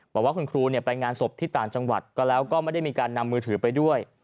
บอกว่าคุณครูไปงานศพที่ต่างจังหวัดก็แล้วก็ไม่ได้มีการนำมือถือไปด้วย